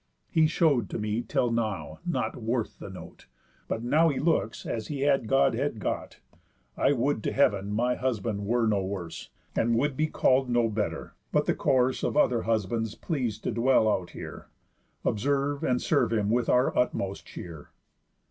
He show'd to me, till now, not worth the note, But now he looks as he had godhead got. I would to heav'n my husband were no worse, And would be call'd no better, but the course Of other husbands pleas'd to dwell out here. Observe and serve him with our utmost cheer."